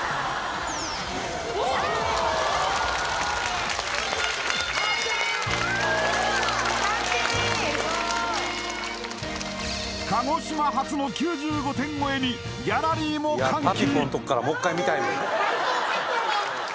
・ハッピー鹿児島初の９５点超えにギャラリーも歓喜！